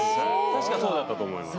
確かそうだったと思います。